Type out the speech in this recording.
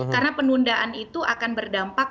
karena penundaan itu akan berdampak